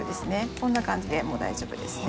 こんな感じでもう大丈夫ですね。